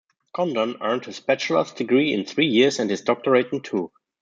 Condon earned his bachelor's degree in three years and his doctorate in two.